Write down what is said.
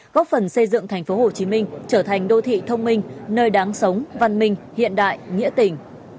góp phần xây dựng tp hcm trở thành đô thị thông minh nơi đáng sống văn minh hiện đại nghĩa tình